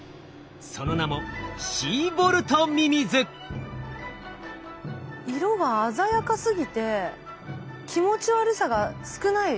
その名も色が鮮やかすぎて気持ち悪さが少ない。